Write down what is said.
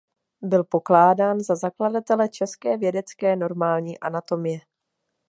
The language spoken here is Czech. Byl pokládán za zakladatele české vědecké normální anatomie.